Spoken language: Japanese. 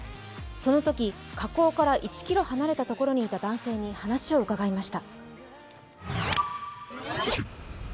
そのとき、火口から１ｋｍ離れた所にいた男性に話を聞きました。